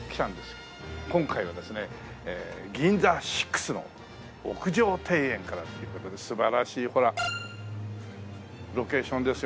今回はですねギンザシックスの屋上庭園からという事で素晴らしいほらロケーションですよね。